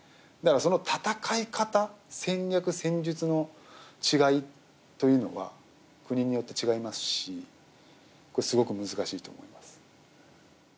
戦い方、戦略戦術の違いというのは国によって違いますしすごく難しいと思います。